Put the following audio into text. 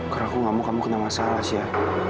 karena aku nggak mau kamu kena masalah sya